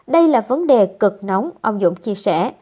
đây là vấn đề cực nóng ông dũng chia sẻ